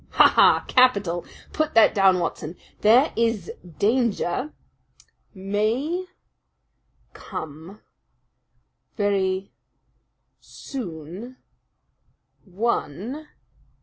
Ha! Ha! Capital! Put that down, Watson. 'There is danger may come very soon one.'